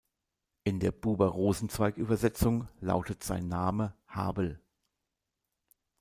In der Buber-Rosenzweig-Übersetzung lautet sein Name "Habel".